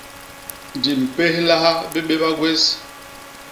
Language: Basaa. Di mpéhlaha bibéba gwés.